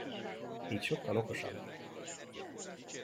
Így sokkal okosabb.